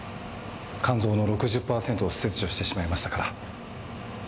肝臓の６０パーセントを切除してしまいましたから。